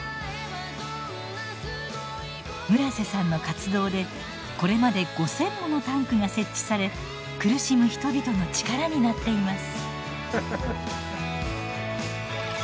村瀬さんの活動でこれまで５，０００ものタンクが設置され苦しむ人々の力になっています。